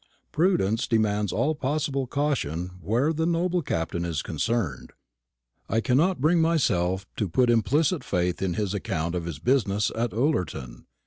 Prudence demands all possible caution where the noble Captain is concerned. I cannot bring myself to put implicit faith in his account of his business at Ullerton.